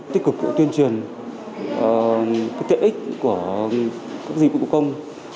tích cực tuyên truyền tiện ích của các dịch vụ công